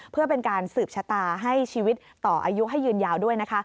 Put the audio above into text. เพื่อเป็นการสืบชะตาให้ชีวิตต่ออายุให้ยืนยาวด้วยนะคะ